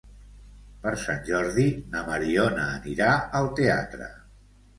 Per Sant Jordi na Mariona anirà al teatre.